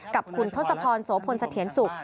กับคุณทศพรโสพลสะเทียนสุข